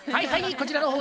こちらの方